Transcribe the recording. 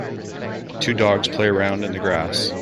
Two dogs play around in the grass.